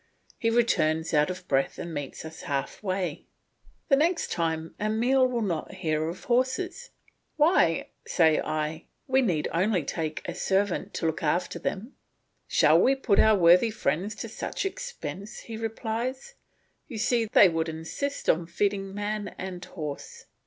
He returns out of breath and meets us half way. The next time, Emile will not hear of horses. "Why," say I, "we need only take a servant to look after them." "Shall we put our worthy friends to such expense?" he replies. "You see they would insist on feeding man and horse."